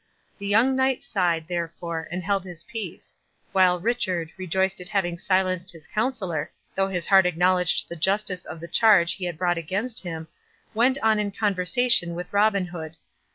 The young knight sighed, therefore, and held his peace; while Richard, rejoiced at having silenced his counsellor, though his heart acknowledged the justice of the charge he had brought against him, went on in conversation with Robin Hood.